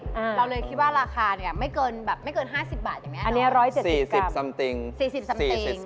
เราเลยคิดว่าราคาไม่เกิน๕๐บาทอย่างนี้